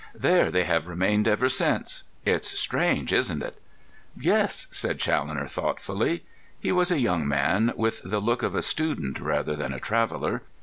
There they have remained ever since. It's strange, isn't it?" "Yes," said Challoner thoughtfully. He was a young man with the look of a student rather than a traveller.